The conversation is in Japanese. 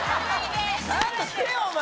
ちゃんと聞けよお前！